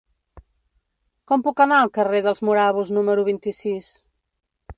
Com puc anar al carrer dels Morabos número vint-i-sis?